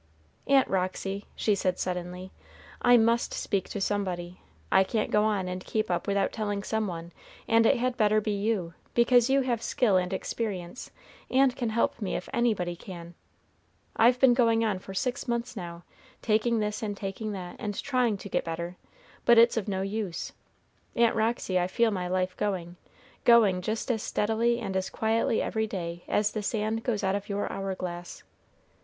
"Aunt Roxy," she said suddenly, "I must speak to somebody. I can't go on and keep up without telling some one, and it had better be you, because you have skill and experience, and can help me if anybody can. I've been going on for six months now, taking this and taking that, and trying to get better, but it's of no use. Aunt Roxy, I feel my life going, going just as steadily and as quietly every day as the sand goes out of your hour glass.